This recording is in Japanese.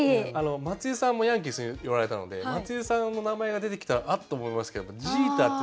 松井さんもヤンキースにおられたので松井さんの名前が出てきたらあっ！と思いますけどジーターってね